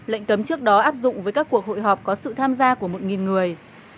lệnh cấm trước đó áp dụng với các cuộc hội họp có sự tham gia của một người